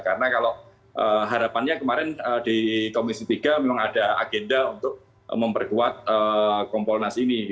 karena kalau harapannya kemarin di komisi tiga memang ada agenda untuk memperkuat kompolnas ini